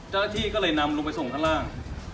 เจ้าหน้าที่ก็เลยนำลงไปส่งข้างล่าง